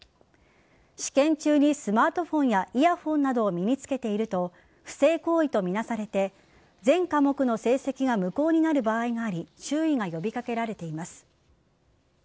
試験中にスマートフォンやイヤホンなどを身につけていると不正行為とみなされて全科目の成績が無効になる場合があり注意が呼び掛けられています。